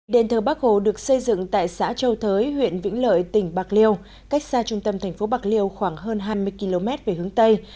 đền thờ bắc hồ được xây dựng tại xã châu thới huyện vĩnh lợi tỉnh bạc liêu cách xa trung tâm thành phố bạc liêu khoảng hơn hai mươi km về hướng tây